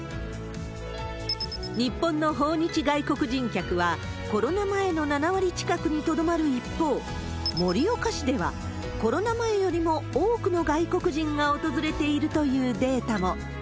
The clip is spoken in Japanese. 日本の訪日外国人客は、コロナ前の７割近くにとどまる一方、盛岡市では、コロナ前よりも多くの外国人が訪れているというデータも。